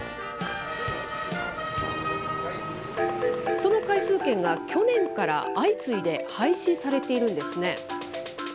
その回数券が、去年から相次いで廃止されているんですね。